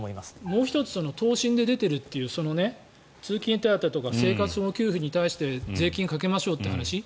もう１つ答申で出ているという通勤手当とか生活保護給付に対して税金をかけましょうという話。